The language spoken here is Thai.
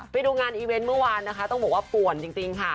ไปดูงานอีเวนต์เมื่อวานนะคะต้องบอกว่าป่วนจริงค่ะ